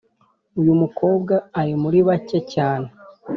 Uyu mukobwa ari muri bake cyane